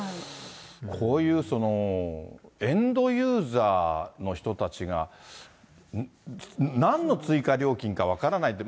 こういうエンドユーザーの人たちが、なんの追加料金か分からないって。